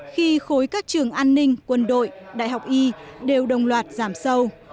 khi khối các trường an ninh quân đội đại học y đều đồng loạt giảm sâu